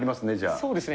そうですね。